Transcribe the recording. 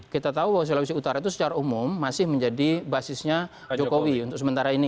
kita tahu bahwa sulawesi utara itu secara umum masih menjadi basisnya jokowi untuk sementara ini